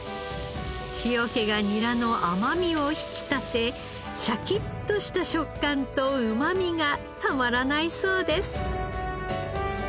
塩気がニラの甘みを引き立てシャキッとした食感とうまみがたまらないそうです。